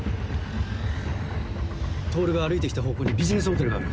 透が歩いて来た方向にビジネスホテルがある。